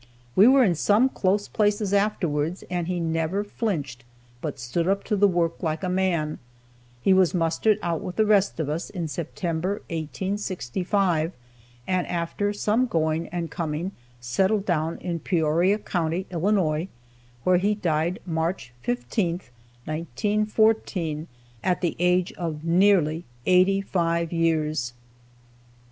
We were in some close places afterwards, and he never flinched, but stood up to the work like a man. He was mustered out with the rest of us in September, 1865, and after some going and coming, settled down in Peoria county, Illinois, where he died March 15, 1914, at the age of nearly eighty five years.